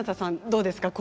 どうですか。